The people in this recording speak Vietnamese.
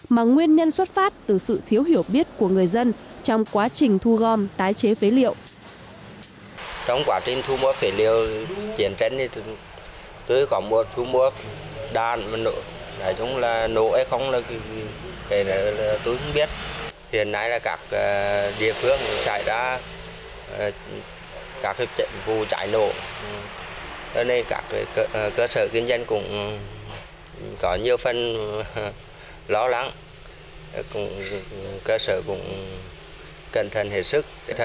mà nguyên nhân xuất phát từ sự thiếu hiểu biết của người dân trong quá trình thu gom tái chế phế liệu